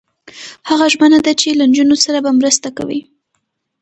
هغه ژمنه ده چې له نجونو سره به مرسته کوي.